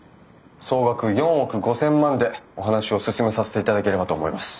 総額４億５，０００万でお話を進めさせていただければと思います。